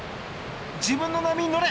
自分の波に乗れ！